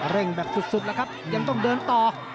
เล่งแบตสุดยังต้องเดินต่อ